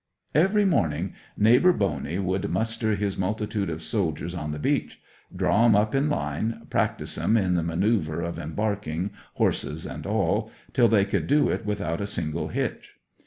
'Every morning Neighbour Boney would muster his multitude of soldiers on the beach, draw 'em up in line, practise 'em in the manoeuvre of embarking, horses and all, till they could do it without a single hitch.